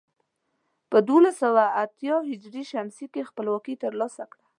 په دولس سوه اتيا ه ش کې خپلواکي تر لاسه کړه.